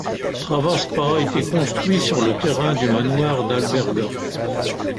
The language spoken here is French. Tarvaspää a été construit sur le terrain du manoir d'Alberga.